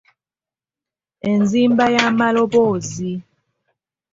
Enzimba y’amaloboozi